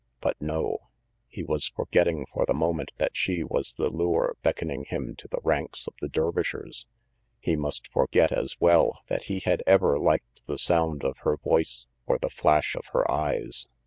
But no. He was for getting for the moment that she was the lure beckon ing him to the ranks of the Dervishers. He must forget, as well, that he had ever liked the sound of her voice or the flash of her eyes.